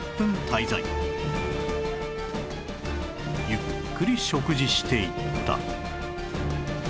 ゆっくり食事していった